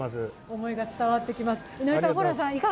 思いが伝わってきます。